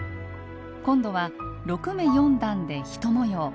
今度は６目×４段で１模様。